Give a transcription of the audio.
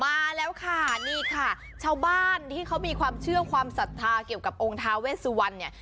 มาแล้วค่ะนี่ค่ะเฉาบ้านที่เค้ามีความเชื่อความศรัทธาเกี่ยวกับอ๋องท้าแว่สุวรรณนี่